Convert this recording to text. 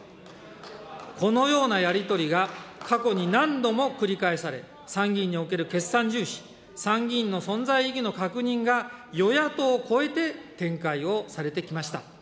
このようなやり取りが過去に何度も繰り返され、参議院における決算重視、参議院の存在意義の確認が与野党こえて展開をされてきました。